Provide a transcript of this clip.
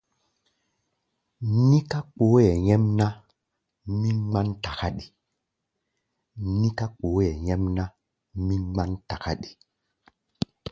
Níká kpooʼɛ nyɛ́mná, mí ŋmán takáɗi.